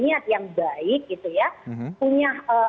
punya itikat yang baik untuk melahirkan satu regulasi untuk kepentingan bersama